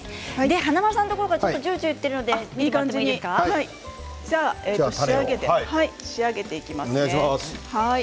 華丸さんのところじゅうじゅういっているので仕上げていきますね。